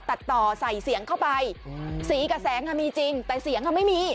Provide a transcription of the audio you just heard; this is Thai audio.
ตัดต่อใส่เสียงเข้าไปสีกับแสงอ่ะมีจริงแต่เสียงไม่มี